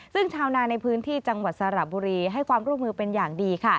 ซึ่งชาวนาในพื้นที่จังหวัดสระบุรีให้ความร่วมมือเป็นอย่างดี